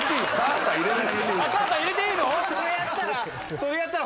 それやったら。